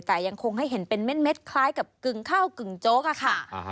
แต่ยังคงให้เห็นเป็นเม็ดคล้ายกับกึ่งข้าวกึ่งโจ๊กอะค่ะ